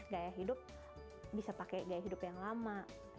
gaya hidup bisa pakai gaya hidup yang lama